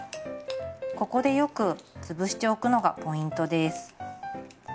ここでよく潰しておくのがポイントです。